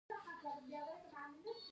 د لیوکیمیا د وینې سرطان دی.